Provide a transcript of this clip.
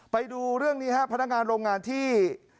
ไปดูเรื่องนี้ครับพนักงานโรงงานที่